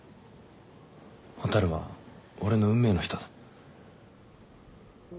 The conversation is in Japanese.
蛍は俺の運命の人だ。